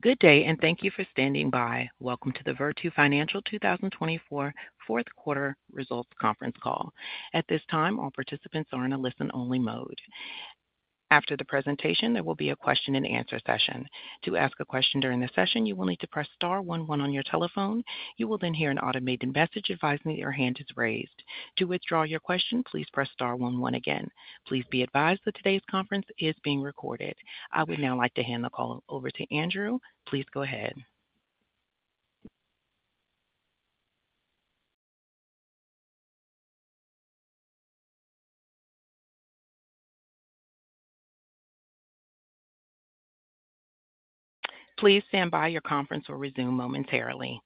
Good day, and thank you for standing by. Welcome to the Virtu Financial 2024 Fourth Quarter Results Conference Call. At this time, all participants are in a listen-only mode. After the presentation, there will be a question-and-answer session. To ask a question during the session, you will need to press star 11 on your telephone. You will then hear an automated message advising that your hand is raised. To withdraw your question, please press star 11 again. Please be advised that today's conference is being recorded. I would now like to hand the call over to Andrew. Please go ahead. Please stand by. Your conference will resume momentarily.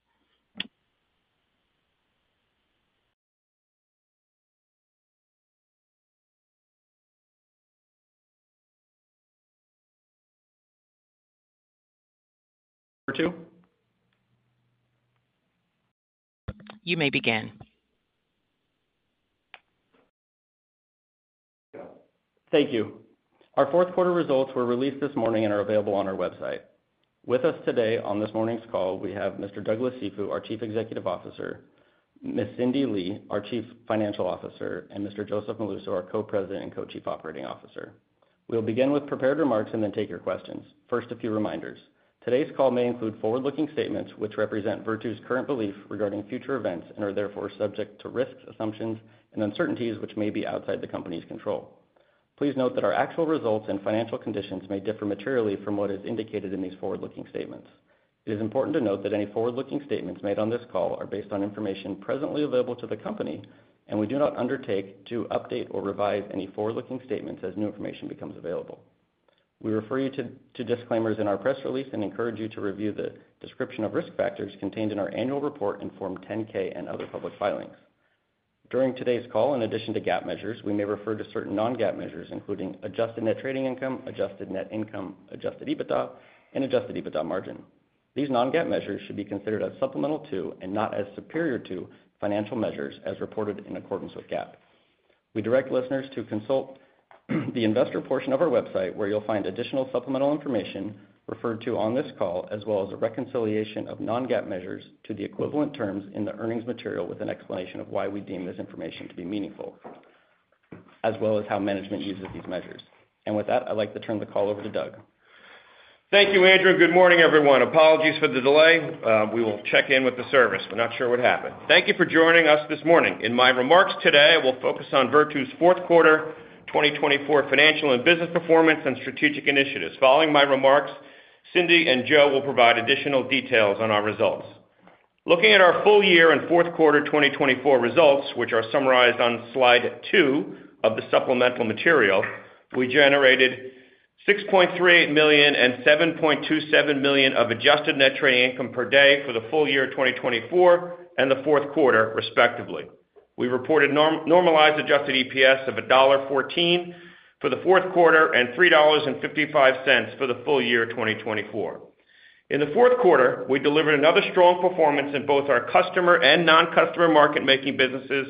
Virtu? You may begin. Thank you. Our fourth quarter results were released this morning and are available on our website. With us today on this morning's call, we have Mr. Douglas Cifu, our Chief Executive Officer, Ms. Cindy Lee, our Chief Financial Officer, and Mr. Joseph Molluso, our Co-President and Co-Chief Operating Officer. We'll begin with prepared remarks and then take your questions. First, a few reminders. Today's call may include forward-looking statements which represent Virtu's current beliefs regarding future events and are therefore subject to risks, assumptions, and uncertainties which may be outside the company's control. Please note that our actual results and financial conditions may differ materially from what is indicated in these forward-looking statements. It is important to note that any forward-looking statements made on this call are based on information presently available to the company, and we do not undertake to update or revise any forward-looking statements as new information becomes available. We refer you to disclaimers in our press release and encourage you to review the description of risk factors contained in our annual report in Form 10-K and other public filings. During today's call, in addition to GAAP measures, we may refer to certain non-GAAP measures including adjusted net trading income, adjusted net income, adjusted EBITDA, and adjusted EBITDA margin. These non-GAAP measures should be considered as supplemental to and not as superior to financial measures as reported in accordance with GAAP. We direct listeners to consult the investor portion of our website where you'll find additional supplemental information referred to on this call, as well as a reconciliation of non-GAAP measures to the equivalent terms in the earnings material with an explanation of why we deem this information to be meaningful, as well as how management uses these measures, and with that, I'd like to turn the call over to Doug. Thank you, Andrew. Good morning, everyone. Apologies for the delay. We will check in with the service. We're not sure what happened. Thank you for joining us this morning. In my remarks today, I will focus on Virtu's Fourth Quarter 2024 financial and business performance and strategic initiatives. Following my remarks, Cindy and Joe will provide additional details on our results. Looking at our full year and Fourth Quarter 2024 results, which are summarized on slide 2 of the supplemental material, we generated $6.38 million and $7.27 million of adjusted net trading income per day for the full year 2024 and the fourth quarter, respectively. We reported normalized adjusted EPS of $1.14 for the fourth quarter and $3.55 for the full year 2024. In the fourth quarter, we delivered another strong performance in both our customer and non-customer market-making businesses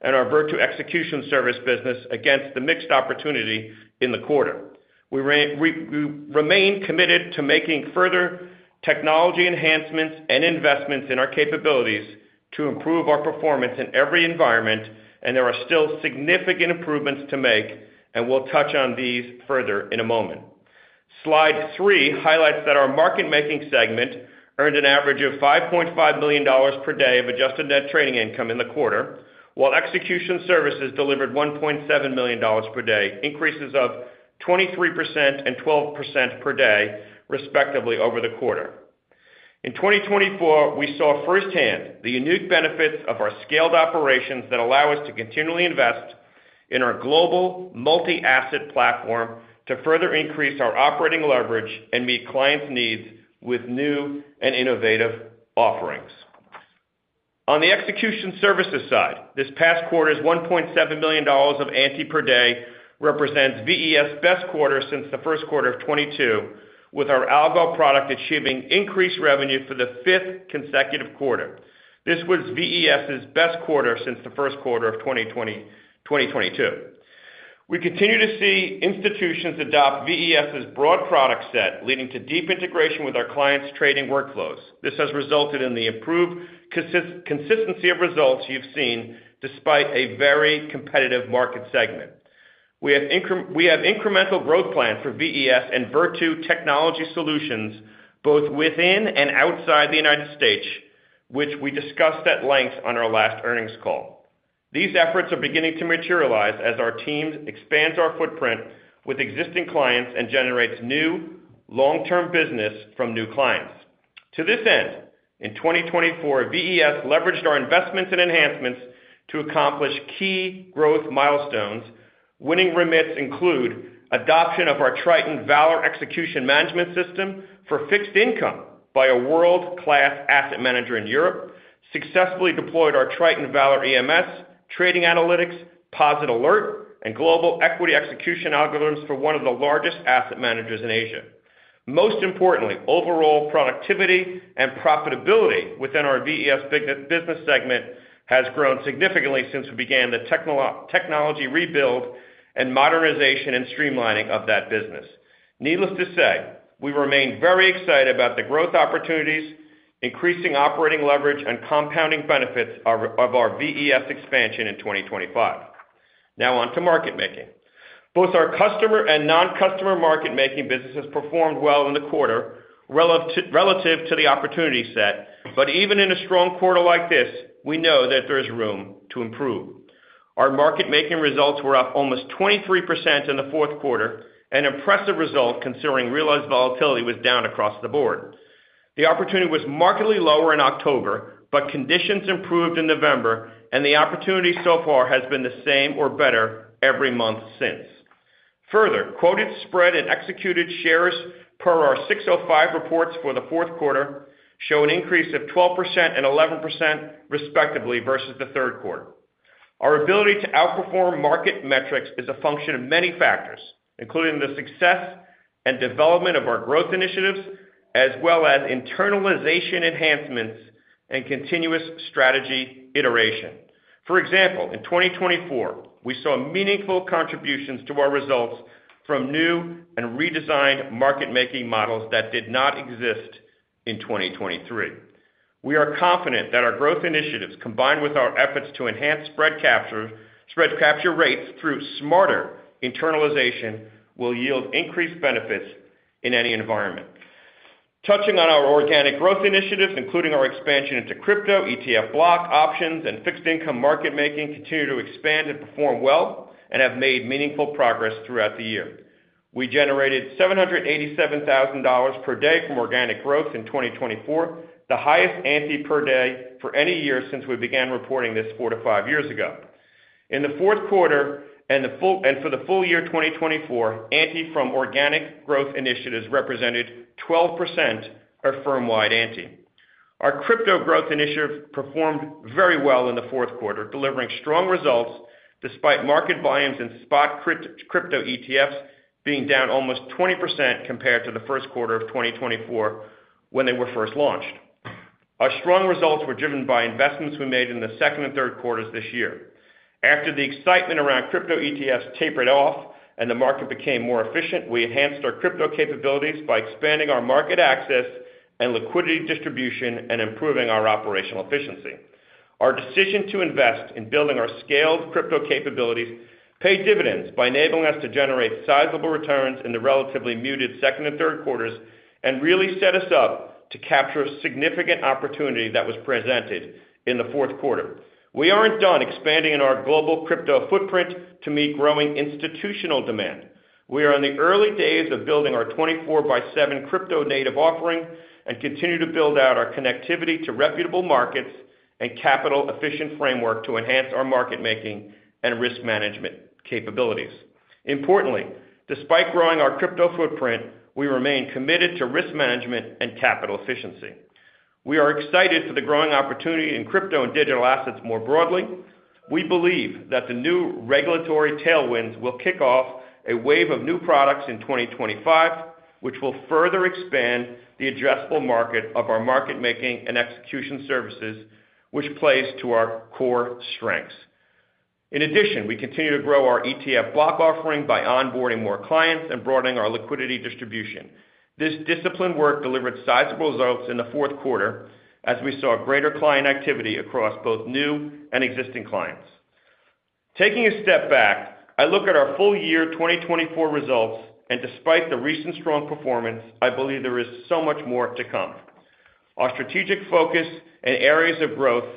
and our Virtu Execution Services business against the mixed opportunity in the quarter. We remain committed to making further technology enhancements and investments in our capabilities to improve our performance in every environment, and there are still significant improvements to make, and we'll touch on these further in a moment. Slide 3 highlights that our market-making segment earned an average of $5.5 million per day of adjusted net trading income in the quarter, while Execution Services delivered $1.7 million per day, increases of 23% and 12% per day, respectively, over the quarter. In 2024, we saw firsthand the unique benefits of our scaled operations that allow us to continually invest in our global multi-asset platform to further increase our operating leverage and meet clients' needs with new and innovative offerings. On the Execution Services side, this past quarter's $1.7 million of ANTI per day represents VES's best quarter since the first quarter of 2022, with our algo product achieving increased revenue for the fifth consecutive quarter. This was VES's best quarter since the first quarter of 2022. We continue to see institutions adopt VES's broad product set, leading to deep integration with our clients' trading workflows. This has resulted in the improved consistency of results you've seen despite a very competitive market segment. We have incremental growth plans for VES and Virtu Technology Solutions both within and outside the U.S., which we discussed at length on our last earnings call. These efforts are beginning to materialize as our team expands our footprint with existing clients and generates new long-term business from new clients. To this end, in 2024, VES leveraged our investments and enhancements to accomplish key growth milestones. Winning remits include adoption of our Triton Valor Execution Management System for fixed income by a world-class asset manager in Europe, successfully deployed our Triton Valor EMS, trading analytics, POSIT Alert, and global equity execution algorithms for one of the largest asset managers in Asia. Most importantly, overall productivity and profitability within our VES business segment has grown significantly since we began the technology rebuild and modernization and streamlining of that business. Needless to say, we remain very excited about the growth opportunities, increasing operating leverage, and compounding benefits of our VES expansion in 2025. Now on to market-making. Both our customer and non-customer market-making businesses performed well in the quarter relative to the opportunity set, but even in a strong quarter like this, we know that there is room to improve. Our market-making results were up almost 23% in the fourth quarter, an impressive result considering realized volatility was down across the board. The opportunity was markedly lower in October, but conditions improved in November, and the opportunity so far has been the same or better every month since. Further, quoted spread and executed shares per our 605 reports for the fourth quarter show an increase of 12% and 11%, respectively, versus the third quarter. Our ability to outperform market metrics is a function of many factors, including the success and development of our growth initiatives, as well as internalization enhancements and continuous strategy iteration. For example, in 2024, we saw meaningful contributions to our results from new and redesigned market-making models that did not exist in 2023. We are confident that our growth initiatives, combined with our efforts to enhance spread capture rates through smarter internalization, will yield increased benefits in any environment. Touching on our organic growth initiatives, including our expansion into crypto, ETF, block options, and fixed income market-making, continue to expand and perform well and have made meaningful progress throughout the year. We generated $787,000 per day from organic growth in 2024, the highest ANTI per day for any year since we began reporting this 4 to 5 years ago. In the fourth quarter and for the full year 2024, ANTI from organic growth initiatives represented 12% of firm-wide ANTI. Our crypto growth initiative performed very well in the fourth quarter, delivering strong results despite market volumes in spot crypto ETFs being down almost 20% compared to the first quarter of 2024 when they were first launched. Our strong results were driven by investments we made in the second and third quarters this year. After the excitement around crypto ETFs tapered off and the market became more efficient, we enhanced our crypto capabilities by expanding our market access and liquidity distribution and improving our operational efficiency. Our decision to invest in building our scaled crypto capabilities paid dividends by enabling us to generate sizable returns in the relatively muted second and third quarters and really set us up to capture a significant opportunity that was presented in the fourth quarter. We aren't done expanding in our global crypto footprint to meet growing institutional demand. We are in the early days of building our 24x7 crypto native offering and continue to build out our connectivity to reputable markets and capital-efficient framework to enhance our market-making and risk management capabilities. Importantly, despite growing our crypto footprint, we remain committed to risk management and capital efficiency. We are excited for the growing opportunity in crypto and digital assets more broadly. We believe that the new regulatory tailwinds will kick off a wave of new products in 2025, which will further expand the addressable market of our market-making and execution services, which plays to our core strengths. In addition, we continue to grow our ETF block offering by onboarding more clients and broadening our liquidity distribution. This disciplined work delivered sizable results in the fourth quarter as we saw greater client activity across both new and existing clients. Taking a step back, I look at our full year 2024 results, and despite the recent strong performance, I believe there is so much more to come. Our strategic focus and areas of growth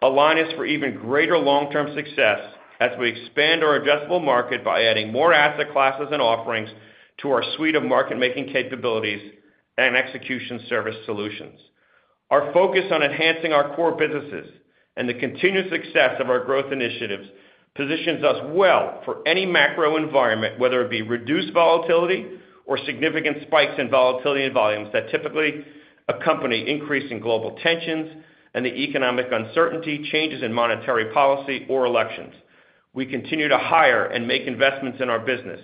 align us for even greater long-term success as we expand our addressable market by adding more asset classes and offerings to our suite of market-making capabilities and execution service solutions. Our focus on enhancing our core businesses and the continued success of our growth initiatives positions us well for any macro environment, whether it be reduced volatility or significant spikes in volatility and volumes that typically accompany increasing global tensions and the economic uncertainty, changes in monetary policy, or elections. We continue to hire and make investments in our business.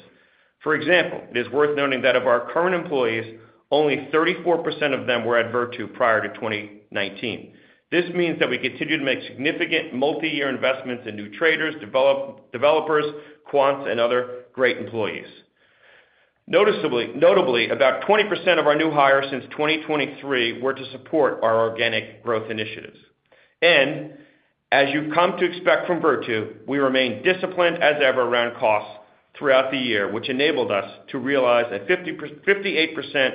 For example, it is worth noting that of our current employees, only 34% of them were at Virtu prior to 2019. This means that we continue to make significant multi-year investments in new traders, developers, quants, and other great employees. Notably, about 20% of our new hires since 2023 were to support our organic growth initiatives, and as you come to expect from Virtu, we remain disciplined as ever around costs throughout the year, which enabled us to realize a 58%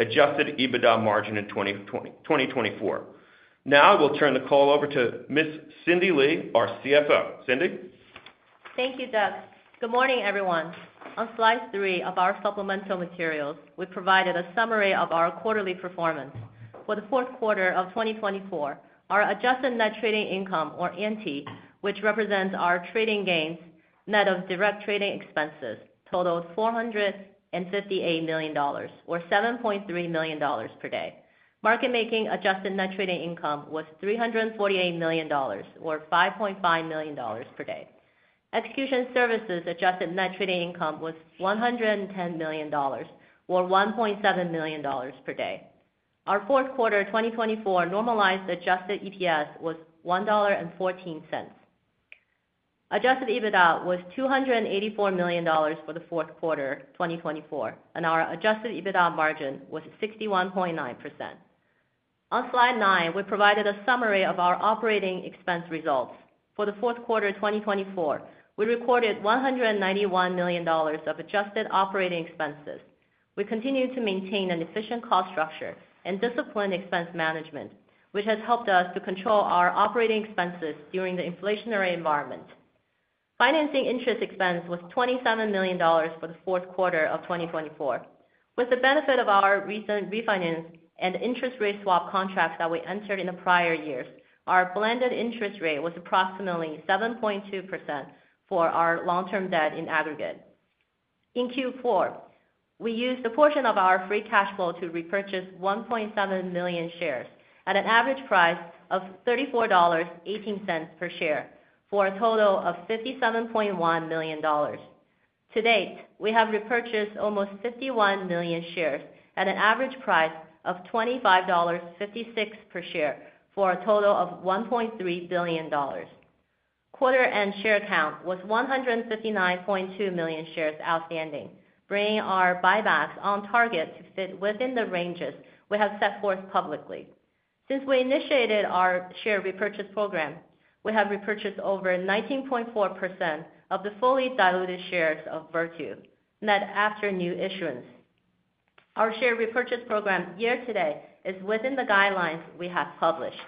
adjusted EBITDA margin in 2024. Now I will turn the call over to Ms. Cindy Lee, our CFO. Cindy? Thank you, Doug. Good morning, everyone. On slide 3 of our supplemental materials, we provided a summary of our quarterly performance. For the fourth quarter of 2024, our adjusted net trading income, or ANTI, which represents our trading gains net of direct trading expenses, totaled $458 million, or $7.3 million per day. Market-making adjusted net trading income was $348 million, or $5.5 million per day. Execution Services adjusted net trading income was $110 million, or $1.7 million per day. Our fourth quarter 2024 normalized adjusted EPS was $1.14. Adjusted EBITDA was $284 million for the fourth quarter 2024, and our adjusted EBITDA margin was 61.9%. On slide 9, we provided a summary of our operating expense results. For the fourth quarter 2024, we recorded $191 million of adjusted operating expenses. We continue to maintain an efficient cost structure and disciplined expense management, which has helped us to control our operating expenses during the inflationary environment. Financing interest expense was $27 million for the fourth quarter of 2024. With the benefit of our recent refinance and interest rate swap contracts that we entered in the prior years, our blended interest rate was approximately 7.2% for our long-term debt in aggregate. In Q4, we used a portion of our free cash flow to repurchase 1.7 million shares at an average price of $34.18 per share for a total of $57.1 million. To date, we have repurchased almost 51 million shares at an average price of $25.56 per share for a total of $1.3 billion. Quarter-end share count was 159.2 million shares outstanding, bringing our buybacks on target to fit within the ranges we have set forth publicly. Since we initiated our share repurchase program, we have repurchased over 19.4% of the fully diluted shares of Virtu net after new issuance. Our share repurchase program year to date is within the guidelines we have published.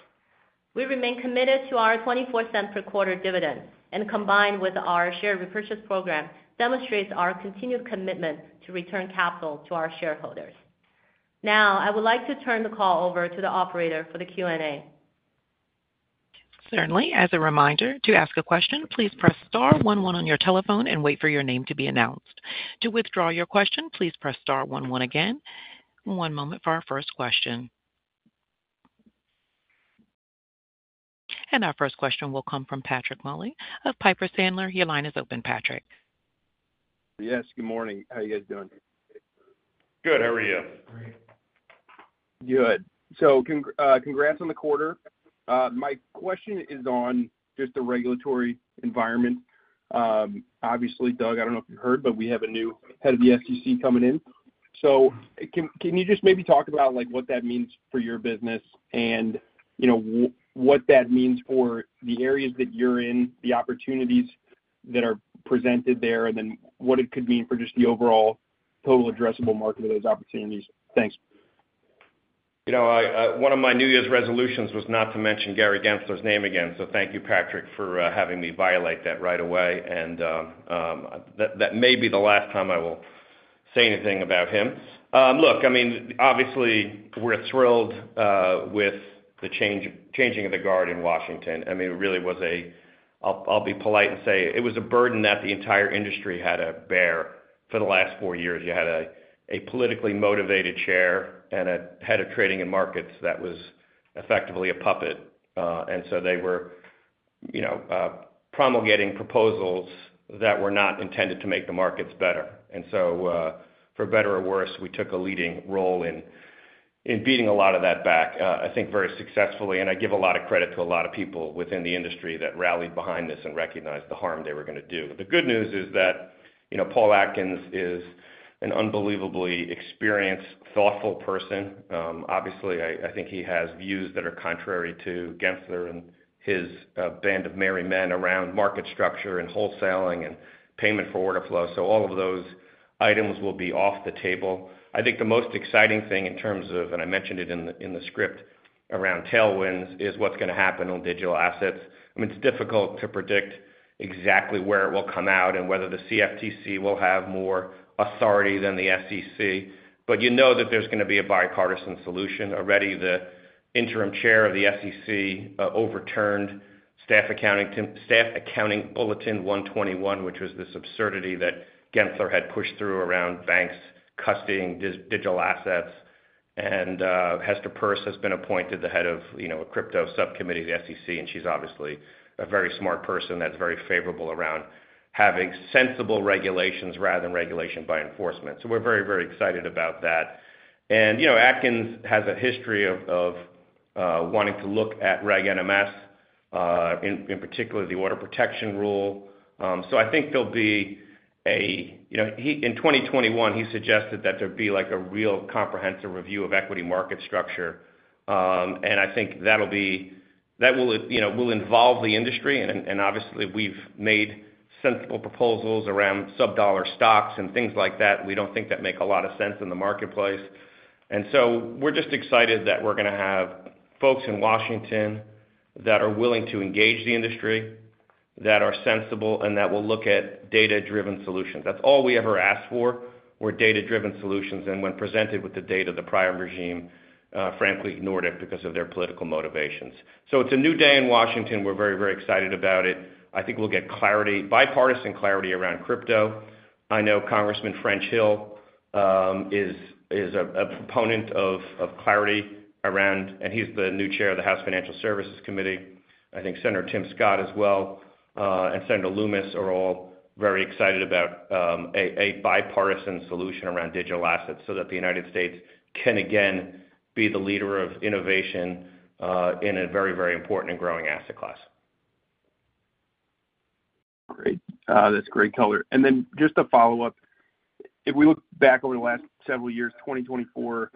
We remain committed to our $0.24 per quarter dividends, and combined with our share repurchase program, demonstrates our continued commitment to return capital to our shareholders. Now, I would like to turn the call over to the operator for the Q&A. Certainly. As a reminder, to ask a question, please press star 11 on your telephone and wait for your name to be announced. To withdraw your question, please press star 11 again. One moment for our first question. Our first question will come from Patrick Moley of Piper Sandler. Your line is open, Patrick. Yes. Good morning. How are you guys doing? Good. How are you? Good. So congrats on the quarter. My question is on just the regulatory environment. Obviously, Doug, I don't know if you've heard, but we have a new head of the SEC coming in. So can you just maybe talk about what that means for your business and what that means for the areas that you're in, the opportunities that are presented there, and then what it could mean for just the overall total addressable market of those opportunities? Thanks. One of my New Year's resolutions was not to mention Gary Gensler's name again. So thank you, Patrick, for having me violate that right away. And that may be the last time I will say anything about him. Look, I mean, obviously, we're thrilled with the changing of the guard in Washington. I mean, it really was a, I'll be polite and say it was a burden that the entire industry had to bear for the last 4 years. You had a politically motivated chair and a head of trading and markets that was effectively a puppet. And so they were promulgating proposals that were not intended to make the markets better. And so for better or worse, we took a leading role in beating a lot of that back, I think, very successfully. I give a lot of credit to a lot of people within the industry that rallied behind this and recognized the harm they were going to do. The good news is that Paul Atkins is an unbelievably experienced, thoughtful person. Obviously, I think he has views that are contrary to Gensler and his band of merry men around market structure and wholesaling and payment for order flow. All of those items will be off the table. I think the most exciting thing in terms of, and I mentioned it in the script, around tailwinds is what's going to happen on digital assets. I mean, it's difficult to predict exactly where it will come out and whether the CFTC will have more authority than the SEC. You know that there's going to be a bipartisan solution. Already, the interim chair of the SEC overturned Staff Accounting Bulletin No. 121, which was this absurdity that Gensler had pushed through around banks custodying digital assets, and Hester Peirce has been appointed the head of a crypto subcommittee of the SEC, and she's obviously a very smart person that's very favorable around having sensible regulations rather than regulation by enforcement, so we're very, very excited about that, and Atkins has a history of wanting to look at Reg NMS, in particular the Order Protection Rule, so I think there'll be a, in 2021, he suggested that there'd be a real comprehensive review of equity market structure, and I think that will involve the industry, and obviously, we've made sensible proposals around sub-dollar stocks and things like that, we don't think that makes a lot of sense in the marketplace. We're just excited that we're going to have folks in Washington that are willing to engage the industry, that are sensible, and that will look at data-driven solutions. That's all we ever asked for were data-driven solutions. When presented with the data, the prior regime, frankly, ignored it because of their political motivations. It's a new day in Washington. We're very, very excited about it. I think we'll get clarity, bipartisan clarity around crypto. I know Congressman French Hill is a proponent of clarity around, and he's the new chair of the House Financial Services Committee. I think Senator Tim Scott as well and Senator Lummis are all very excited about a bipartisan solution around digital assets so that the U.S. can again be the leader of innovation in a very, very important and growing asset class. Great. That's great color. And then just to follow up, if we look back over the last several years, 2024,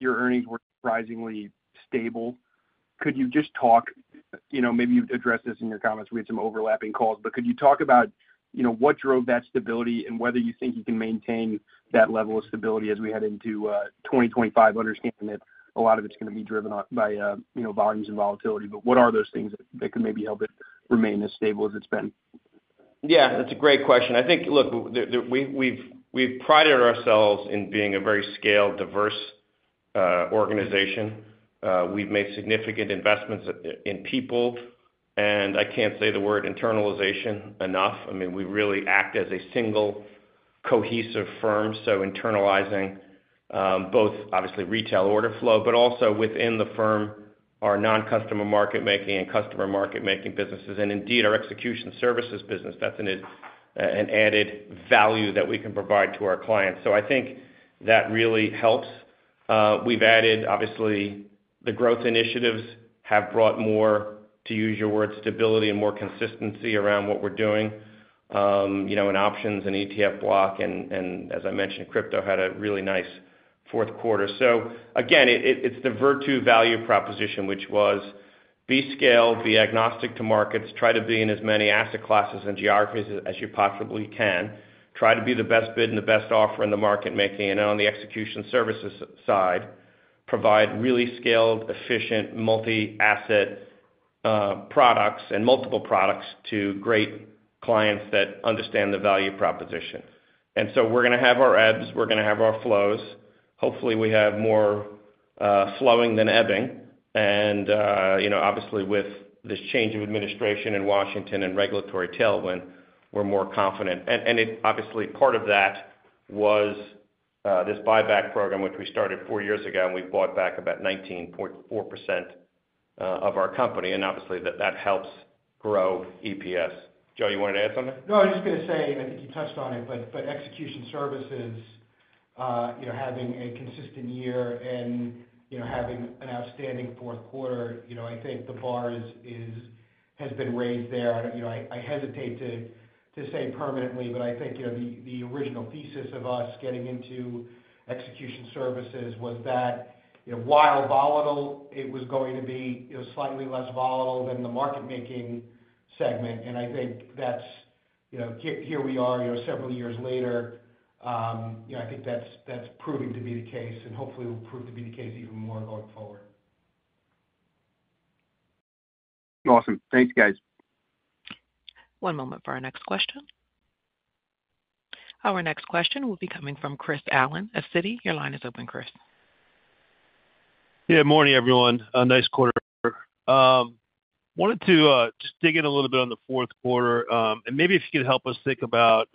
your earnings were surprisingly stable. Could you just talk, maybe you addressed this in your comments? We had some overlapping calls. But could you talk about what drove that stability and whether you think you can maintain that level of stability as we head into 2025? Understand that a lot of it's going to be driven by volumes and volatility. But what are those things that could maybe help it remain as stable as it's been? Yeah. That's a great question. I think, look, we've prided ourselves in being a very scaled, diverse organization. We've made significant investments in people. And I can't say the word internalization enough. I mean, we really act as a single cohesive firm. So internalizing both, obviously, retail order flow, but also within the firm, our non-customer market-making and customer market-making businesses, and indeed our execution services business. That's an added value that we can provide to our clients. So I think that really helps. We've added, obviously, the growth initiatives have brought more, to use your word, stability and more consistency around what we're doing in options and ETF block. And as I mentioned, crypto had a really nice fourth quarter. So again, it's the Virtu value proposition, which was be scaled, be agnostic to markets, try to be in as many asset classes and geographies as you possibly can, try to be the best bid and the best offer in the market-making, and on the execution services side, provide really scaled, efficient, multi-asset products and multiple products to great clients that understand the value proposition. And so we're going to have our ebbs. We're going to have our flows. Hopefully, we have more flowing than ebbing. And obviously, with this change of administration in Washington and regulatory tailwind, we're more confident. And obviously, part of that was this buyback program, which we started 4 years ago, and we bought back about 19.4% of our company. And obviously, that helps grow EPS. Joe, you wanted to add something? No, I was just going to say, and I think you touched on it, but execution services having a consistent year and having an outstanding fourth quarter, I think the bar has been raised there. I hesitate to say permanently, but I think the original thesis of us getting into execution services was that while volatile, it was going to be slightly less volatile than the market-making segment. And I think that's here we are several years later. I think that's proving to be the case, and hopefully, it will prove to be the case even more going forward. Awesome. Thanks, guys. One moment for our next question. Our next question will be coming from Chris Allen. Citi, your line is open, Chris. Yeah. Morning, everyone. Nice quarter. Wanted to just dig in a little bit on the fourth quarter. And maybe if you could help us think about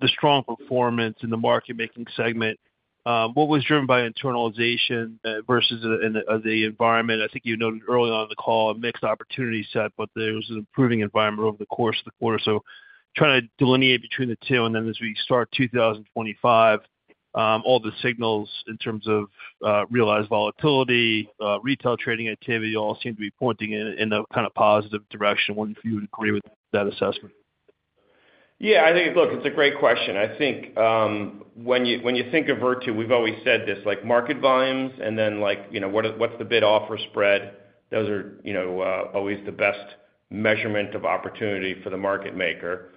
the strong performance in the market-making segment. What was driven by internalization versus the environment? I think you noted early on in the call a mixed opportunity set, but there was an improving environment over the course of the quarter. So trying to delineate between the two. And then as we start 2025, all the signals in terms of realized volatility, retail trading activity all seem to be pointing in a kind of positive direction. I wonder if you would agree with that assessment. Yeah. I think, look, it's a great question. I think when you think of Virtu, we've always said this, market volumes and then what's the bid-offer spread, those are always the best measurement of opportunity for the market maker.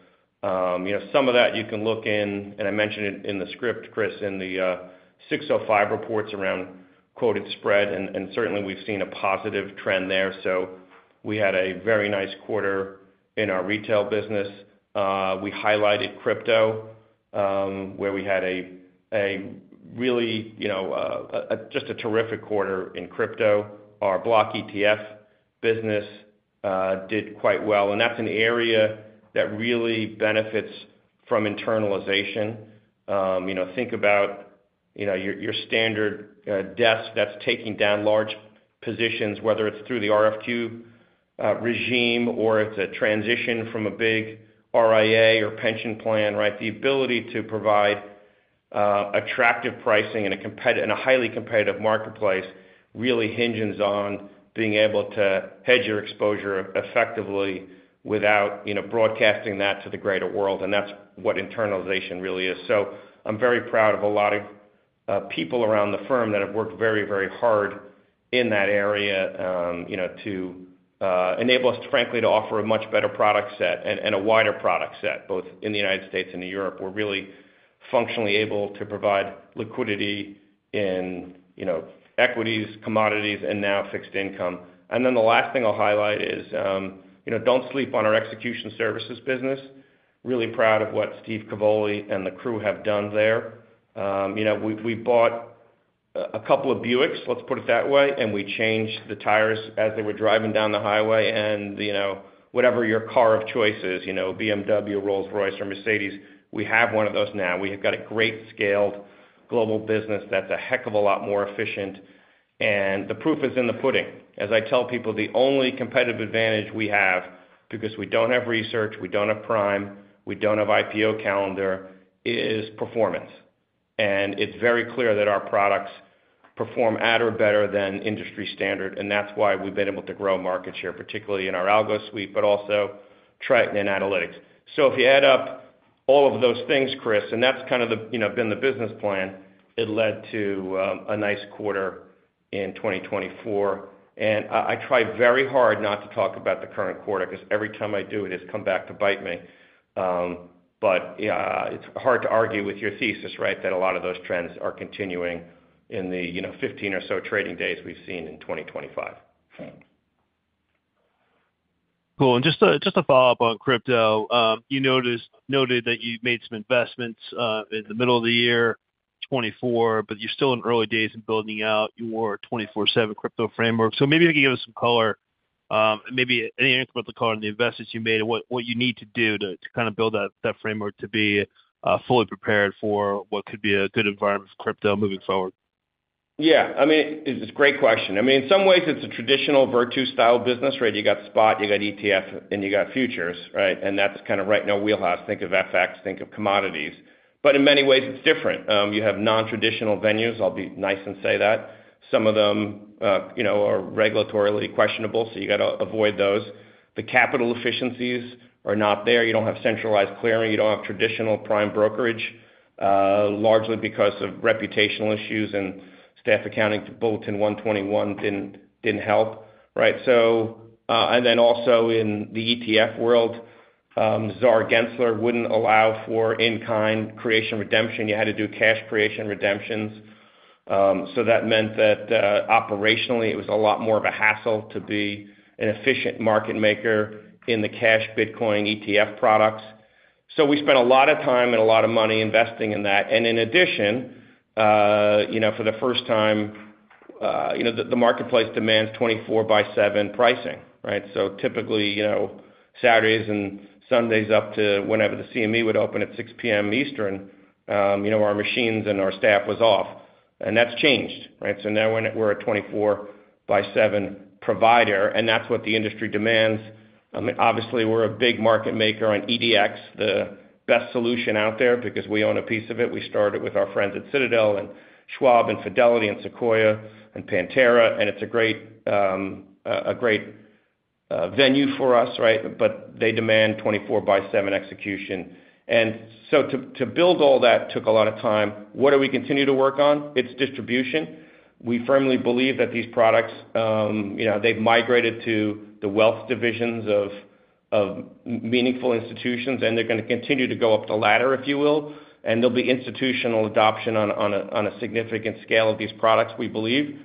Some of that you can look in, and I mentioned it in the script, Chris, in the 605 Reports around quoted spread, and certainly we've seen a positive trend there, so we had a very nice quarter in our retail business. We highlighted crypto where we had a really just a terrific quarter in crypto. Our block ETF business did quite well, and that's an area that really benefits from internalization. Think about your standard desk that's taking down large positions, whether it's through the RFQ regime or it's a transition from a big RIA or pension plan, right? The ability to provide attractive pricing in a highly competitive marketplace really hinges on being able to hedge your exposure effectively without broadcasting that to the greater world, and that's what internalization really is, so I'm very proud of a lot of people around the firm that have worked very, very hard in that area to enable us, frankly, to offer a much better product set and a wider product set, both in the U.S. and in Europe. We're really functionally able to provide liquidity in equities, commodities, and now fixed income, and then the last thing I'll highlight is don't sleep on our execution services business. Really proud of what Steve Cavoli and the crew have done there. We bought a couple of Buicks, let's put it that way, and we changed the tires as they were driving down the highway. And whatever your car of choice is, BMW, Rolls-Royce, or Mercedes, we have one of those now. We have got a great scaled global business that's a heck of a lot more efficient. And the proof is in the pudding. As I tell people, the only competitive advantage we have, because we don't have research, we don't have prime, we don't have IPO calendar, is performance. And it's very clear that our products perform at or better than industry standard. And that's why we've been able to grow market share, particularly in our algo suite, but also Triton and analytics. So if you add up all of those things, Chris, and that's kind of been the business plan, it led to a nice quarter in 2024. And I try very hard not to talk about the current quarter because every time I do, it has come back to bite me. But it's hard to argue with your thesis, right, that a lot of those trends are continuing in the 15 or so trading days we've seen in 2025. Cool. And just a follow-up on crypto. You noted that you made some investments in the middle of the year 2024, but you're still in early days in building out your 24/7 crypto framework. So maybe you can give us some color, maybe any inkling about the color on the investments you made and what you need to do to kind of build that framework to be fully prepared for what could be a good environment for crypto moving forward? Yeah. I mean, it's a great question. I mean, in some ways, it's a traditional Virtu style business, right? You got spot, you got ETF, and you got futures, right? And that's kind of right in our wheelhouse. Think of FX, think of commodities. But in many ways, it's different. You have non-traditional venues. I'll be nice and say that. Some of them are regulatorily questionable, so you got to avoid those. The capital efficiencies are not there. You don't have centralized clearing. You don't have traditional prime brokerage, largely because of reputational issues. And Staff Accounting Bulletin 121 didn't help, right? And then also in the ETF world, Gary Gensler wouldn't allow for in-kind creation redemption. You had to do cash creation redemptions. So that meant that operationally, it was a lot more of a hassle to be an efficient market maker in the cash Bitcoin ETF products. So we spent a lot of time and a lot of money investing in that. And in addition, for the first time, the marketplace demands 24 by 7 pricing, right? So typically, Saturdays and Sundays up to whenever the CME would open at 6:00 P.M. Eastern, our machines and our staff was off. And that's changed, right? So now we're a 24 by 7 provider, and that's what the industry demands. Obviously, we're a big market maker on EDX, the best solution out there because we own a piece of it. We started with our friends at Citadel and Schwab and Fidelity and Sequoia and Pantera. And it's a great venue for us, right? But they demand 24 by 7 execution. And so to build all that took a lot of time. What do we continue to work on? It's distribution. We firmly believe that these products, they've migrated to the wealth divisions of meaningful institutions, and they're going to continue to go up the ladder, if you will. And there'll be institutional adoption on a significant scale of these products, we believe.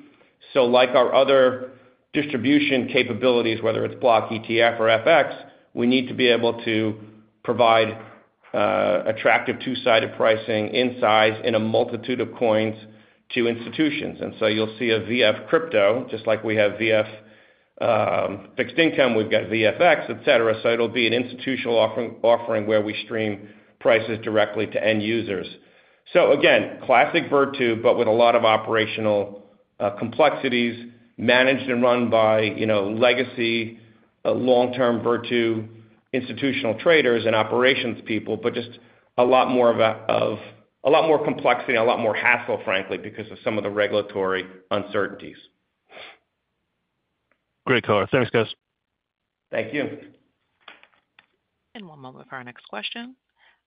So like our other distribution capabilities, whether it's block ETF or FX, we need to be able to provide attractive two-sided pricing in size in a multitude of coins to institutions. And so you'll see a VF Crypto, just like we have VF Fixed Income, we've got VFX, etc. So it'll be an institutional offering where we stream prices directly to end users. So again, classic Virtu, but with a lot of operational complexities, managed and run by legacy long-term Virtu institutional traders and operations people, but just a lot more of a lot more complexity and a lot more hassle, frankly, because of some of the regulatory uncertainties. Great color. Thanks, guys. Thank you. And one moment for our next question.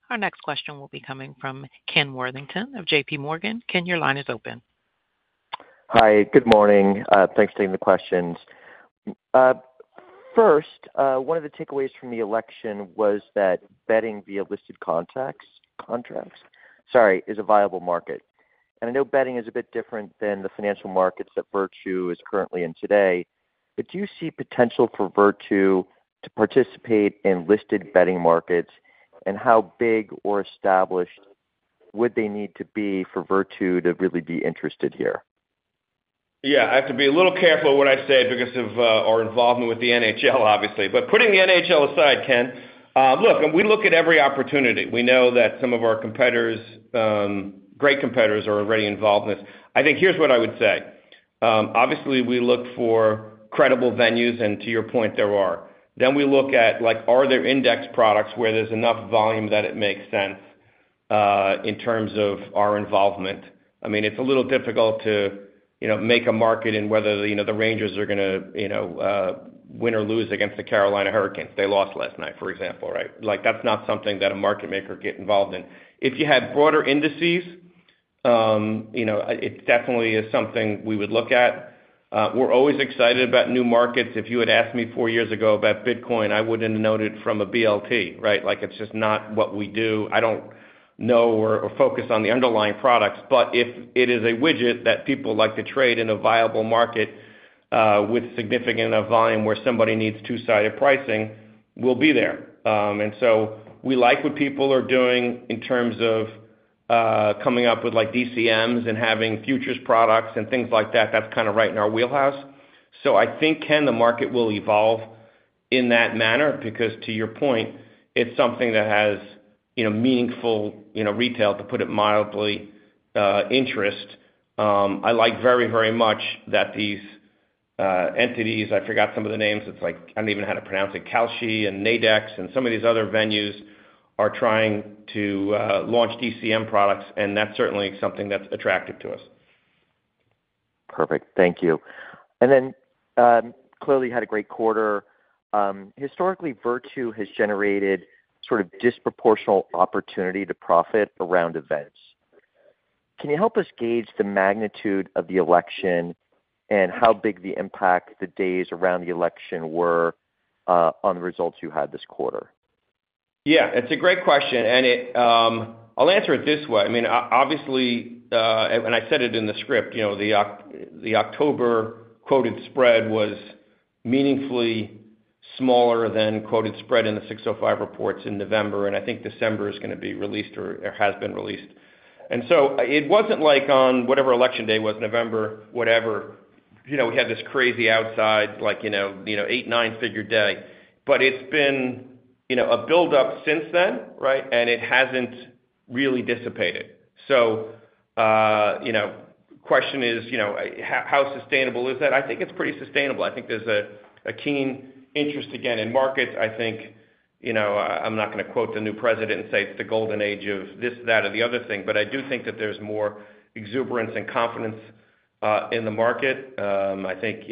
Our next question will be coming from Ken Worthington of J.P. Morgan. Ken, your line is open. Hi. Good morning. Thanks for taking the questions. First, one of the takeaways from the election was that betting via listed contracts, sorry, is a viable market. And I know betting is a bit different than the financial markets that Virtu is currently in today. But do you see potential for Virtu to participate in listed betting markets? And how big or established would they need to be for Virtu to really be interested here? Yeah. I have to be a little careful of what I say because of our involvement with the NHL, obviously. But putting the NHL aside, Ken, look, we look at every opportunity. We know that some of our competitors, great competitors, are already involved in this. I think here's what I would say. Obviously, we look for credible venues, and to your point, there are. Then we look at, are there index products where there's enough volume that it makes sense in terms of our involvement? I mean, it's a little difficult to make a market in whether the Rangers are going to win or lose against the Carolina Hurricanes. They lost last night, for example, right? That's not something that a market maker gets involved in. If you had broader indices, it definitely is something we would look at. We're always excited about new markets. If you had asked me 4 years ago about Bitcoin, I wouldn't have known it from a BLT, right? It's just not what we do. I don't know or focus on the underlying products, but if it is a widget that people like to trade in a viable market with significant volume where somebody needs two-sided pricing, we'll be there. And so we like what people are doing in terms of coming up with DCMs and having futures products and things like that. That's kind of right in our wheelhouse. So I think, Ken, the market will evolve in that manner because, to your point, it's something that has meaningful retail, to put it mildly, interest. I like very, very much that these entities. I forgot some of the names. It's like I don't even know how to pronounce it, Kalshi and Nadex and some of these other venues are trying to launch DCM products. And that's certainly something that's attractive to us. Perfect. Thank you. And then clearly had a great quarter. Historically, Virtu has generated sort of disproportional opportunity to profit around events. Can you help us gauge the magnitude of the election and how big the impact the days around the election were on the results you had this quarter? Yeah. It's a great question. And I'll answer it this way. I mean, obviously, and I said it in the script, the October quoted spread was meaningfully smaller than quoted spread in the 605 Reports in November. And I think December is going to be released or has been released. And so it wasn't like on whatever election day was, November, whatever, we had this crazy outside, like 8, 9-figure day. But it's been a buildup since then, right? And it hasn't really dissipated. So the question is, how sustainable is that? I think it's pretty sustainable. I think there's a keen interest again in markets. I think I'm not going to quote the new president and say it's the golden age of this, that, or the other thing, but I do think that there's more exuberance and confidence in the market. I think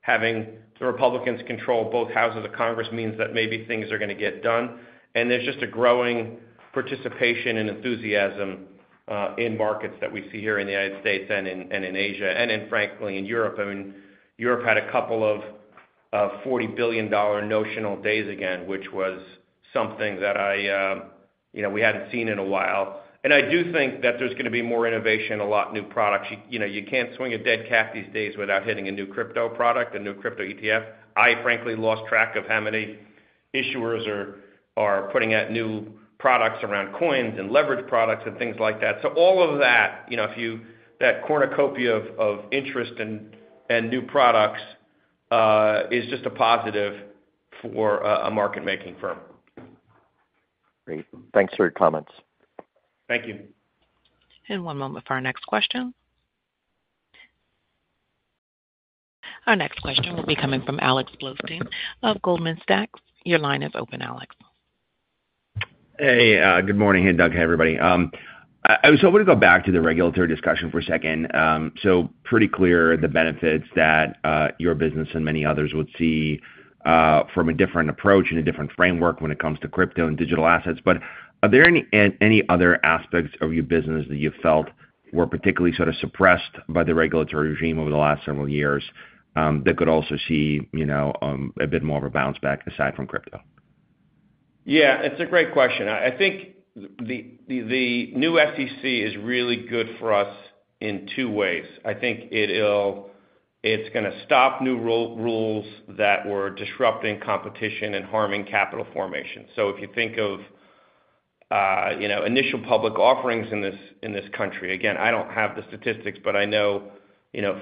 having the Republicans control both houses of Congress means that maybe things are going to get done, and there's just a growing participation and enthusiasm in markets that we see here in the U.S. and in Asia and in, frankly, in Europe. I mean, Europe had a couple of $40 billion notional days again, which was something that we hadn't seen in a while, and I do think that there's going to be more innovation, a lot of new products. You can't swing a dead cat these days without hitting a new crypto product, a new crypto ETF. I, frankly, lost track of how many issuers are putting out new products around coins and leverage products and things like that. So all of that, that cornucopia of interest and new products is just a positive for a market-making firm. Great. Thanks for your comments. Thank you. And one moment for our next question. Our next question will be coming from Alex Blostein of Goldman Sachs. Your line is open, Alex. Hey, good morning. Hey, Doug, hey, everybody. I was hoping to go back to the regulatory discussion for a second. So pretty clear the benefits that your business and many others would see from a different approach and a different framework when it comes to crypto and digital assets. But are there any other aspects of your business that you felt were particularly sort of suppressed by the regulatory regime over the last several years that could also see a bit more of a bounce back aside from crypto? Yeah. It's a great question. I think the new SEC is really good for us in 2 ways. I think it's going to stop new rules that were disrupting competition and harming capital formation. So if you think of initial public offerings in this country, again, I don't have the statistics, but I know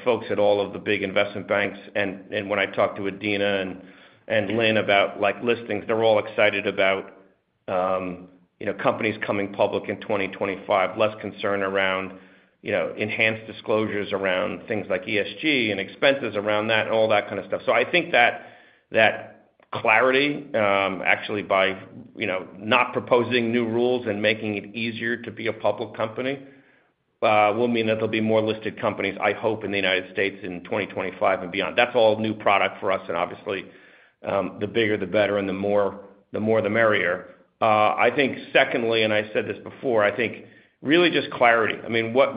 folks at all of the big investment banks. And when I talked to Adena and Lynn about listings, they're all excited about companies coming public in 2025, less concern around enhanced disclosures around things like ESG and expenses around that and all that kind of stuff. So I think that clarity, actually, by not proposing new rules and making it easier to be a public company will mean that there'll be more listed companies, I hope, in the U.S. in 2025 and beyond. That's all new product for us. Obviously, the bigger, the better, and the more the merrier. I think, secondly, and I said this before, I think really just clarity. I mean, what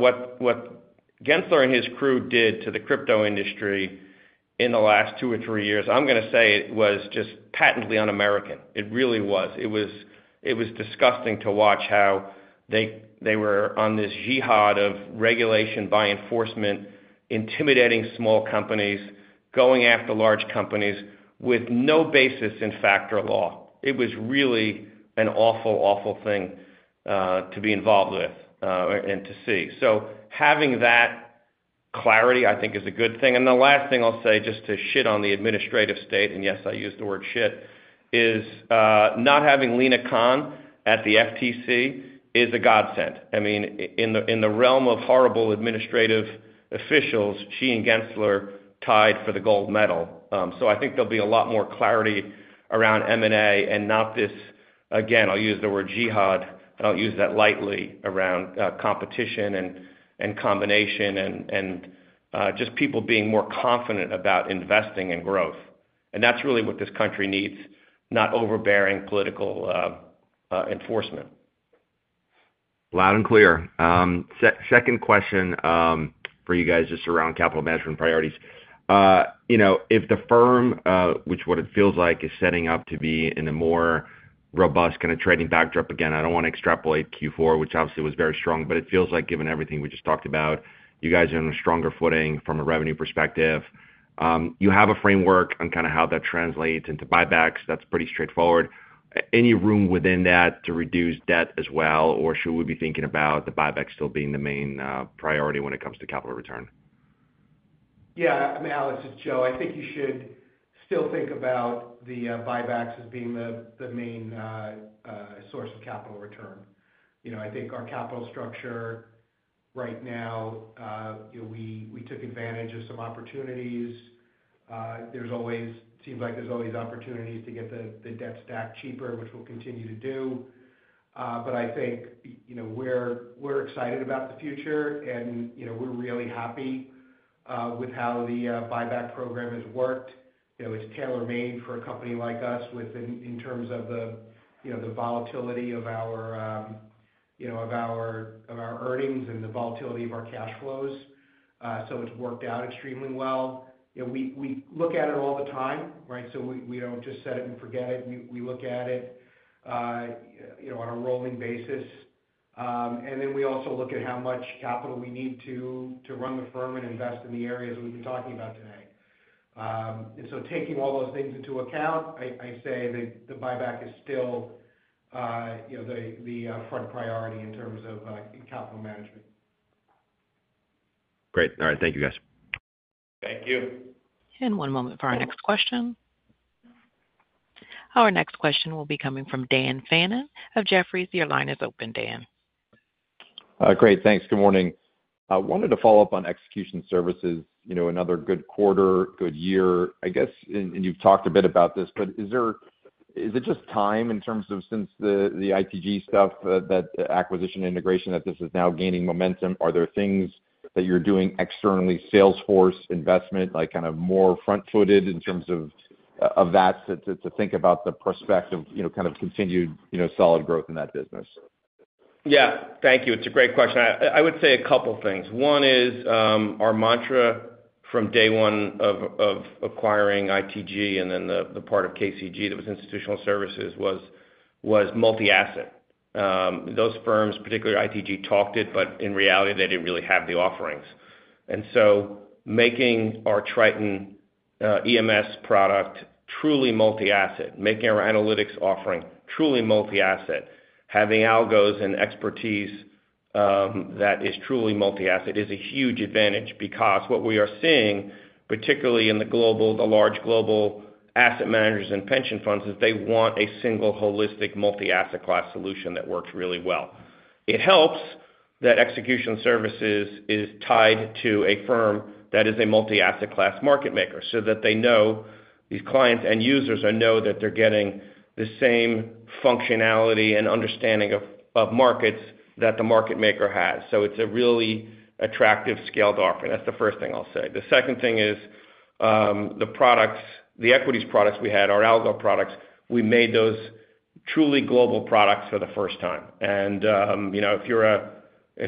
Gensler and his crew did to the crypto industry in the last 2 or 3 years, I'm going to say it was just patently un-American. It really was. It was disgusting to watch how they were on this jihad of regulation by enforcement, intimidating small companies, going after large companies with no basis in fact or law. It was really an awful, awful thing to be involved with and to see. So having that clarity, I think, is a good thing. And the last thing I'll say just to shit on the administrative state, and yes, I used the word shit, is not having Lina Khan at the FTC is a godsend. I mean, in the realm of horrible administrative officials, she and Gensler tied for the gold medal. So I think there'll be a lot more clarity around M&A and not this, again, I'll use the word jihad. I don't use that lightly around competition and combination and just people being more confident about investing in growth. And that's really what this country needs, not overbearing political enforcement. Loud and clear. Second question for you guys just around capital management priorities. If the firm, which what it feels like is setting up to be in a more robust kind of trading backdrop, again, I don't want to extrapolate Q4, which obviously was very strong, but it feels like given everything we just talked about, you guys are on a stronger footing from a revenue perspective. You have a framework on kind of how that translates into buybacks. That's pretty straightforward. Any room within that to reduce debt as well, or should we be thinking about the buyback still being the main priority when it comes to capital return? Yeah. I mean, Alex, it's Joe. I think you should still think about the buybacks as being the main source of capital return. I think our capital structure right now, we took advantage of some opportunities. It seems like there's always opportunities to get the debt stack cheaper, which we'll continue to do. But I think we're excited about the future, and we're really happy with how the buyback program has worked. It's tailor-made for a company like us in terms of the volatility of our earnings and the volatility of our cash flows. So it's worked out extremely well. We look at it all the time, right? So we don't just set it and forget it. We look at it on a rolling basis. And then we also look at how much capital we need to run the firm and invest in the areas we've been talking about today. Taking all those things into account, I'd say the buyback is still the front priority in terms of capital management. Great. All right. Thank you, guys. Thank you. One moment for our next question. Our next question will be coming from Dan Fannon of Jefferies. Your line is open, Dan. Great. Thanks. Good morning. I wanted to follow up on execution services. Another good quarter, good year. I guess, and you've talked a bit about this, but is it just time in terms of since the ITG stuff, that acquisition integration, that this is now gaining momentum? Are there things that you're doing externally, Salesforce investment, kind of more front-footed in terms of that to think about the prospect of kind of continued solid growth in that business? Yeah. Thank you. It's a great question. I would say a couple of things. One is our mantra from day 1 of acquiring ITG and then the part of KCG that was institutional services was multi-asset. Those firms, particularly ITG, talked it, but in reality, they didn't really have the offerings. And so making our Triton EMS product truly multi-asset, making our analytics offering truly multi-asset, having algos and expertise that is truly multi-asset is a huge advantage because what we are seeing, particularly in the large global asset managers and pension funds, is they want a single holistic multi-asset class solution that works really well. It helps that execution services is tied to a firm that is a multi-asset class market maker so that they know these clients and users know that they're getting the same functionality and understanding of markets that the market maker has. So it's a really attractive scaled-off, and that's the first thing I'll say. The second thing is the equities products we had, our algo products, we made those truly global products for the first time. And if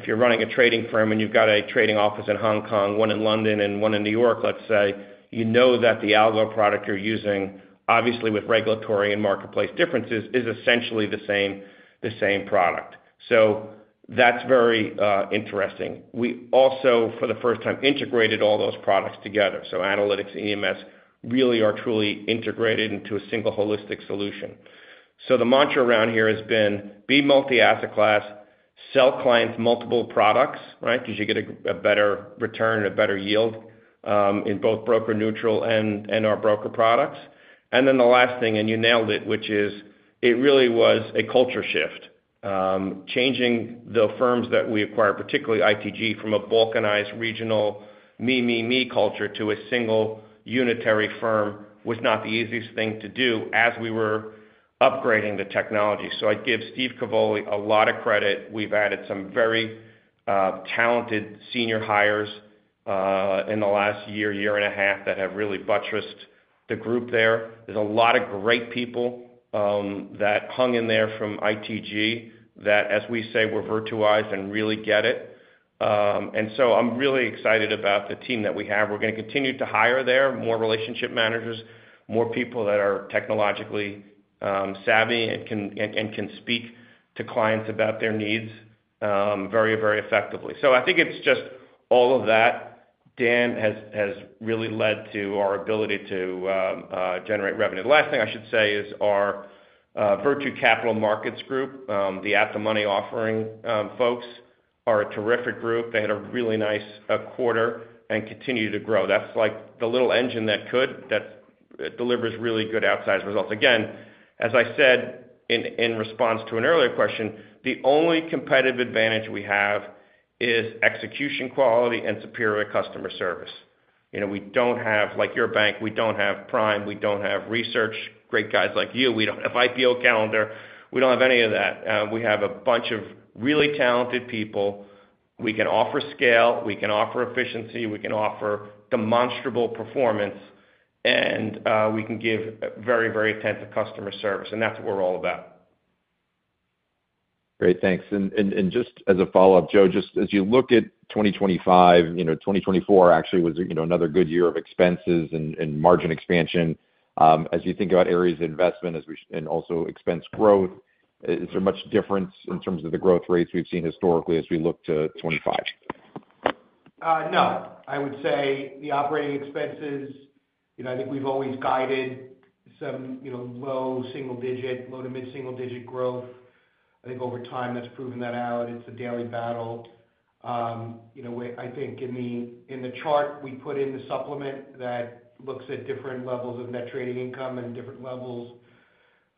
you're running a trading firm and you've got a trading office in Hong Kong, one in London and one in New York, let's say, you know that the algo product you're using, obviously with regulatory and marketplace differences, is essentially the same product. So that's very interesting. We also, for the first time, integrated all those products together. So analytics, EMS, really are truly integrated into a single holistic solution. So the mantra around here has been, be multi-asset class, sell clients multiple products, right, because you get a better return and a better yield in both broker-neutral and our broker products. And then the last thing, and you nailed it, which is it really was a culture shift. Changing the firms that we acquired, particularly ITG, from a balkanized, regional, me, me, me culture to a single unitary firm was not the easiest thing to do as we were upgrading the technology. So I give Steve Cavoli a lot of credit. We've added some very talented senior hires in the last year, year and a half that have really buttressed the group there. There's a lot of great people that hung in there from ITG that, as we say, were virtualized and really get it. And so I'm really excited about the team that we have. We're going to continue to hire there, more relationship managers, more people that are technologically savvy and can speak to clients about their needs very, very effectively. I think it's just all of that, Dan, has really led to our ability to generate revenue. The last thing I should say is our Virtu Capital Markets group, the at-the-market offering folks, are a terrific group. They had a really nice quarter and continue to grow. That's like the little engine that could, that delivers really good outsized results. Again, as I said in response to an earlier question, the only competitive advantage we have is execution quality and superior customer service. We don't have, like your bank, we don't have prime, we don't have research, great guys like you. We don't have IPO calendar. We don't have any of that. We have a bunch of really talented people. We can offer scale. We can offer efficiency. We can offer demonstrable performance. And we can give very, very attentive customer service. That's what we're all about. Great. Thanks. And just as a follow-up, Joe, just as you look at 2025, 2024 actually was another good year of expenses and margin expansion. As you think about areas of investment and also expense growth, is there much difference in terms of the growth rates we've seen historically as we look to 2025? No. I would say the operating expenses, I think we've always guided some low single-digit, low to mid-single-digit growth. I think over time that's proven that out. It's a daily battle. I think in the chart, we put in the supplement that looks at different levels of net trading income and different levels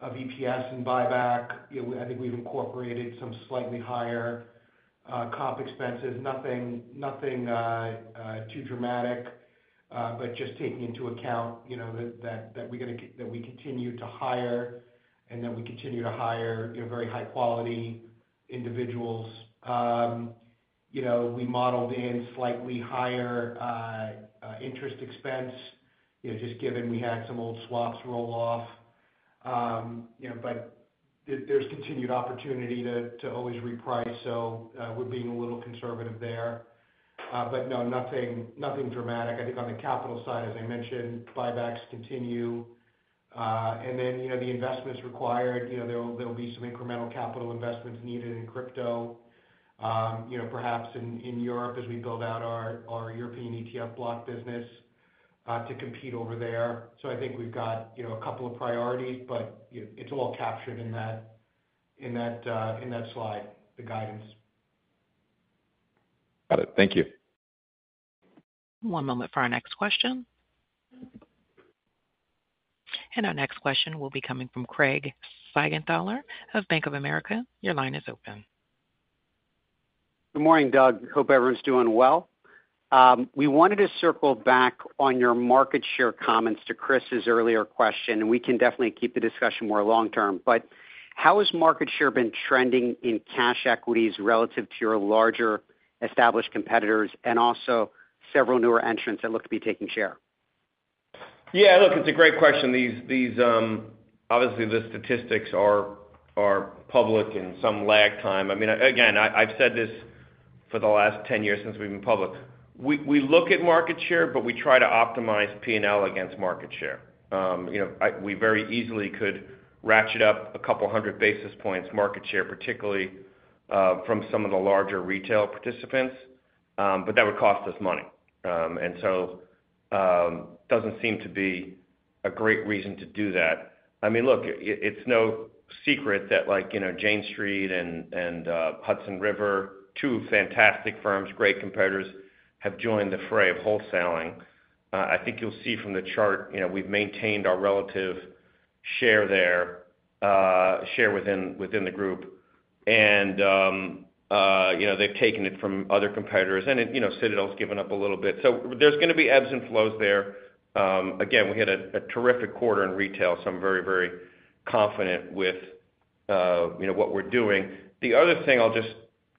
of EPS and buyback. I think we've incorporated some slightly higher comp expenses, nothing too dramatic, but just taking into account that we continue to hire and that we continue to hire very high-quality individuals. We modeled in slightly higher interest expense just given we had some old swaps roll off, but there's continued opportunity to always reprice, so we're being a little conservative there, but no, nothing dramatic. I think on the capital side, as I mentioned, buybacks continue. And then the investments required, there'll be some incremental capital investments needed in crypto, perhaps in Europe as we build out our European ETF block business to compete over there. So I think we've got a couple of priorities, but it's all captured in that slide, the guidance. Got it. Thank you. One moment for our next question. And our next question will be coming from Craig Siegenthaler of Bank of America. Your line is open. Good morning, Doug. Hope everyone's doing well. We wanted to circle back on your market share comments to Chris's earlier question, and we can definitely keep the discussion more long-term. But how has market share been trending in cash equities relative to your larger established competitors and also several newer entrants that look to be taking share? Yeah. Look, it's a great question. Obviously, the statistics are public in some lag time. I mean, again, I've said this for the last 10 years since we've been public. We look at market share, but we try to optimize P&L against market share. We very easily could ratchet up a couple hundred basis points market share, particularly from some of the larger retail participants, but that would cost us money. And so it doesn't seem to be a great reason to do that. I mean, look, it's no secret that Jane Street and Hudson River, 2 fantastic firms, great competitors, have joined the fray of wholesaling. I think you'll see from the chart we've maintained our relative share there within the group. And they've taken it from other competitors. And Citadel's given up a little bit. So there's going to be ebbs and flows there. Again, we had a terrific quarter in retail, so I'm very, very confident with what we're doing. The other thing I'll just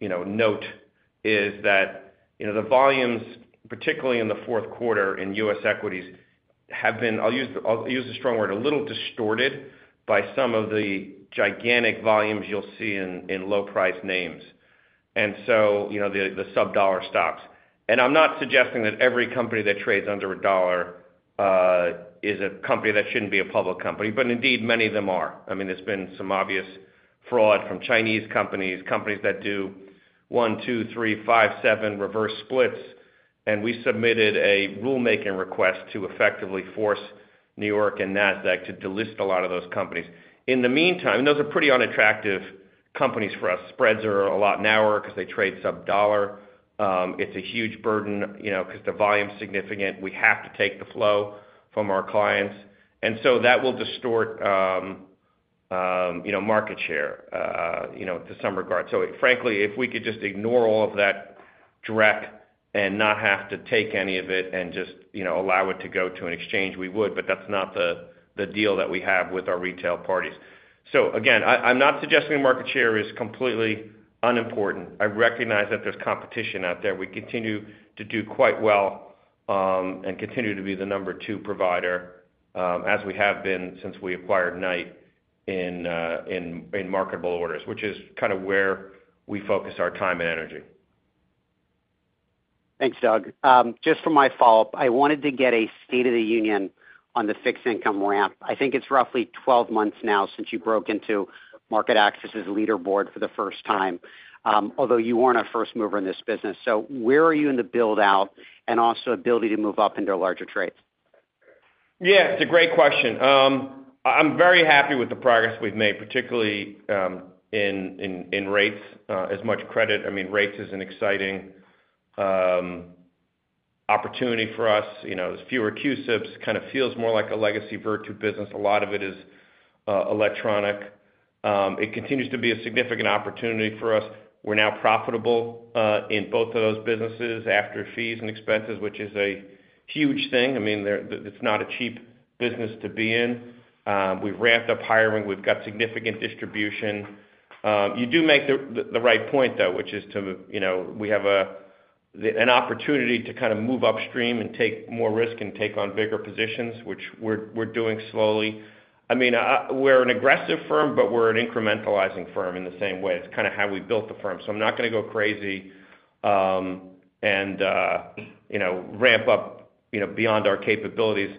note is that the volumes, particularly in the fourth quarter in U.S. equities, have been, I'll use the strong word, a little distorted by some of the gigantic volumes you'll see in low-priced names. And so the sub-dollar stocks. And I'm not suggesting that every company that trades under a dollar is a company that shouldn't be a public company, but indeed many of them are. I mean, there's been some obvious fraud from Chinese companies, companies that do 1, 2, 3, 5, 7 reverse splits. And we submitted a rulemaking request to effectively force NYSE and Nasdaq to delist a lot of those companies. In the meantime, those are pretty unattractive companies for us. Spreads are a lot narrower because they trade sub-dollar. It's a huge burden because the volume's significant. We have to take the flow from our clients. And so that will distort market share to some regard. So frankly, if we could just ignore all of that dreck and not have to take any of it and just allow it to go to an exchange, we would, but that's not the deal that we have with our retail parties. So again, I'm not suggesting market share is completely unimportant. I recognize that there's competition out there. We continue to do quite well and continue to be the number 2 provider as we have been since we acquired Knight in marketable orders, which is kind of where we focus our time and energy. Thanks, Doug. Just for my follow-up, I wanted to get a state of the union on the fixed income ramp. I think it's roughly 12 months now since you broke into MarketAxess's leaderboard for the first time, although you weren't a first mover in this business. So where are you in the build-out and also ability to move up into larger trades? Yeah. It's a great question. I'm very happy with the progress we've made, particularly in rates. As much credit, I mean, rates is an exciting opportunity for us. There's fewer CUSIPs. It kind of feels more like a legacy Virtu business. A lot of it is electronic. It continues to be a significant opportunity for us. We're now profitable in both of those businesses after fees and expenses, which is a huge thing. I mean, it's not a cheap business to be in. We've ramped up hiring. We've got significant distribution. You do make the right point, though, which is to we have an opportunity to kind of move upstream and take more risk and take on bigger positions, which we're doing slowly. I mean, we're an aggressive firm, but we're an incrementalizing firm in the same way. It's kind of how we built the firm. So I'm not going to go crazy and ramp up beyond our capabilities.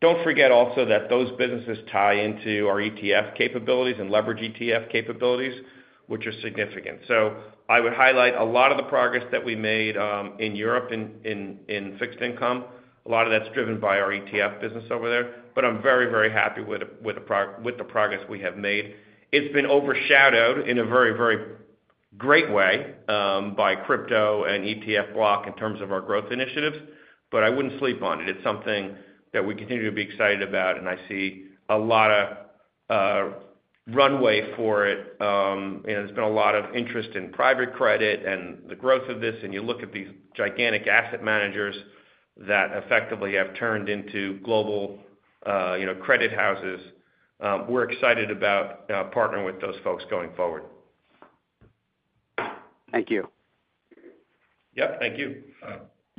Don't forget also that those businesses tie into our ETF capabilities and leverage ETF capabilities, which are significant. So I would highlight a lot of the progress that we made in Europe in fixed income. A lot of that's driven by our ETF business over there. But I'm very, very happy with the progress we have made. It's been overshadowed in a very, very great way by crypto and ETF block in terms of our growth initiatives, but I wouldn't sleep on it. It's something that we continue to be excited about, and I see a lot of runway for it. There's been a lot of interest in private credit and the growth of this. And you look at these gigantic asset managers that effectively have turned into global credit houses. We're excited about partnering with those folks going forward. Thank you. Yep. Thank you.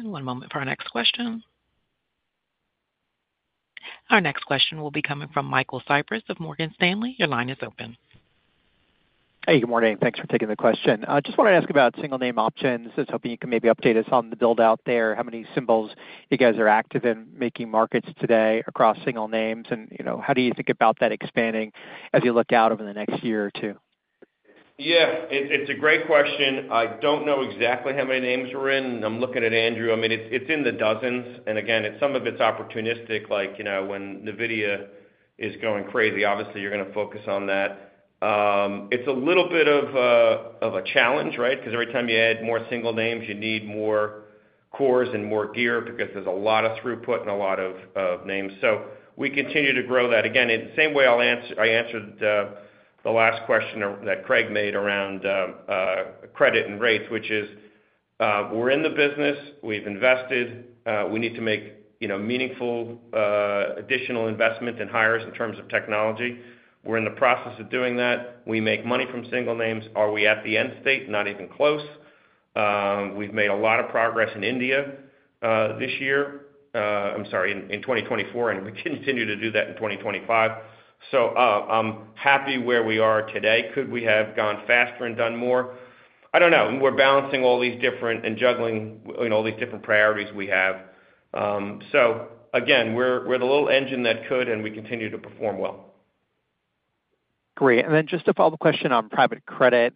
One moment for our next question. Our next question will be coming from Michael Cyprys of Morgan Stanley. Your line is open. Hey, good morning. Thanks for taking the question. Just wanted to ask about single-name options. Just hoping you can maybe update us on the build-out there, how many symbols you guys are active in making markets today across single names, and how do you think about that expanding as you look out over the next year or two? Yeah. It's a great question. I don't know exactly how many names we're in. I'm looking at Andrew. I mean, it's in the dozens. And again, some of it's opportunistic. When NVIDIA is going crazy, obviously, you're going to focus on that. It's a little bit of a challenge, right? Because every time you add more single names, you need more cores and more gear because there's a lot of throughput and a lot of names. So we continue to grow that. Again, in the same way, I'll answer I answered the last question that Craig made around credit and rates, which is we're in the business. We've invested. We need to make meaningful additional investment and hires in terms of technology. We're in the process of doing that. We make money from single names. Are we at the end state? Not even close. We've made a lot of progress in India this year. I'm sorry, in 2024, and we continue to do that in 2025. So I'm happy where we are today. Could we have gone faster and done more? I don't know. We're balancing all these different and juggling all these different priorities we have. So again, we're the little engine that could, and we continue to perform well. Great. And then just a follow-up question on private credit.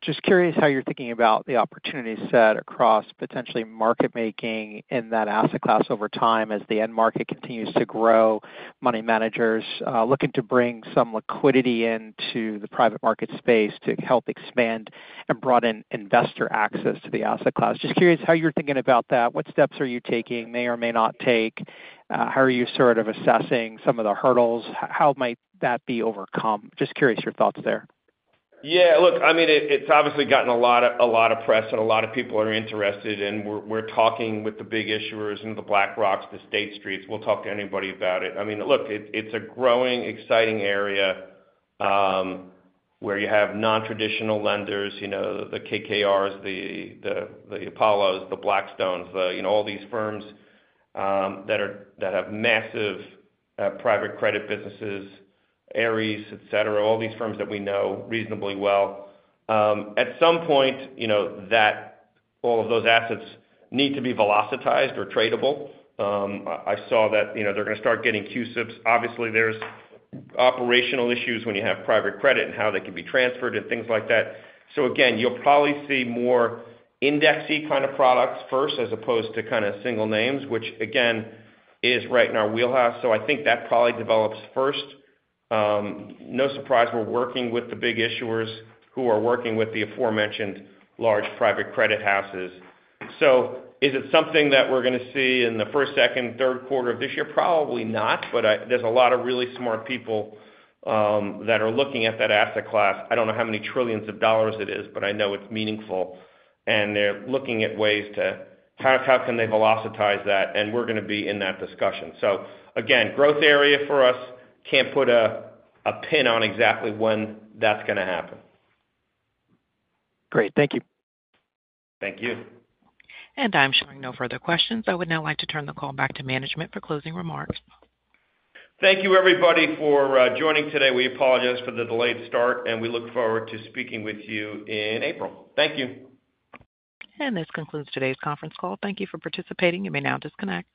Just curious how you're thinking about the opportunity set across potentially market making in that asset class over time as the end market continues to grow, money managers looking to bring some liquidity into the private market space to help expand and broaden investor access to the asset class. Just curious how you're thinking about that. What steps are you taking, may or may not take? How are you sort of assessing some of the hurdles? How might that be overcome? Just curious your thoughts there. Yeah. Look, I mean, it's obviously gotten a lot of press and a lot of people are interested, and we're talking with the big issuers and the BlackRocks, the State Streets. We'll talk to anybody about it. I mean, look, it's a growing, exciting area where you have non-traditional lenders, the KKRs, the Apollos, the Blackstones, all these firms that have massive private credit businesses, Ares, etc., all these firms that we know reasonably well. At some point, all of those assets need to be velocitized or tradable. I saw that they're going to start getting CUSIPs. Obviously, there's operational issues when you have private credit and how they can be transferred and things like that. So again, you'll probably see more indexing kind of products first as opposed to kind of single names, which again is right in our wheelhouse. So I think that probably develops first. No surprise, we're working with the big issuers who are working with the aforementioned large private credit houses. So is it something that we're going to see in the first, second, third quarter of this year? Probably not, but there's a lot of really smart people that are looking at that asset class. I don't know how many trillions of dollars it is, but I know it's meaningful. And they're looking at ways to how can they velocitize that? And we're going to be in that discussion. So again, growth area for us. Can't put a pin on exactly when that's going to happen. Great. Thank you. Thank you. I'm showing no further questions. I would now like to turn the call back to management for closing remarks. Thank you, everybody, for joining today. We apologize for the delayed start, and we look forward to speaking with you in April. Thank you. This concludes today's conference call. Thank you for participating. You may now disconnect.